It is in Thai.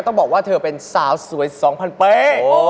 ต้องบอกว่าเธอเป็นสาวสวย๒๐๐ปี